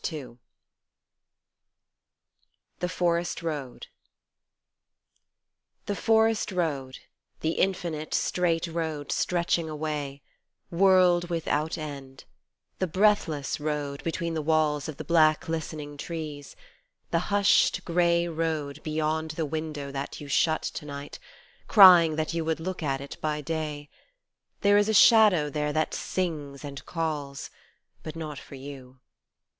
37 THE FOREST ROAD THE forest road, The infinite straight road stretching away World without end : the breathless road between the walls Of the black listening trees : the hushed, grey road Beyond the window that you shut to night Crying that you would look at it by day There is a shadow there that sings and calls But not for you.